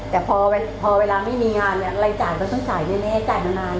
แต่พอเวลาไม่มีงานรายจ่ายก็ต้องจ่ายได้ไม่ให้จ่ายมานานเลย